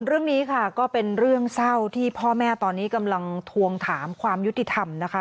เรื่องนี้ค่ะก็เป็นเรื่องเศร้าที่พ่อแม่ตอนนี้กำลังทวงถามความยุติธรรมนะคะ